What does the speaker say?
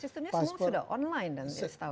sistemnya semua sudah online